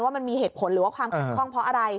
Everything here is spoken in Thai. มันมีเหตุผลหรือว่าความขัดข้องเพราะอะไร